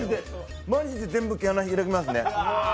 マジで全部毛穴開きますね。